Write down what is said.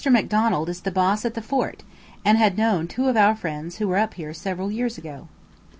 Macdonald is the "boss" at the fort, and had known two of our friends who were up here several years ago.